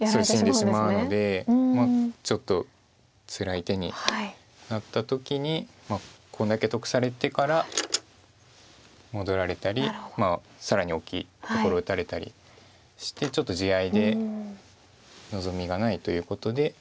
死んでしまうのでちょっとつらい手になった時にこれだけ得されてから戻られたり更に大きいところ打たれたりしてちょっと地合いで望みがないということで。